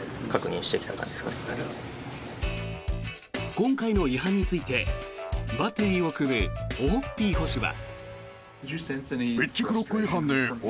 今回の違反についてバッテリーを組むオホッピー捕手は。